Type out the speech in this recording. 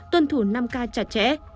tuân thủ năm k chặt chẽ